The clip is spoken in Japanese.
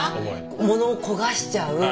ものを焦がしちゃう。